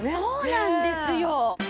そうなんですよ。